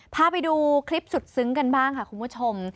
พาไปดูคลิปสุดซึ้งกันบ้างค่ะคุณผู้ชม